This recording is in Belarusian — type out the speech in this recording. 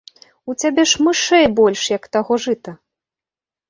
У цябе ж мышэй больш, як таго жыта.